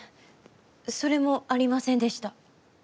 それもありませんでした。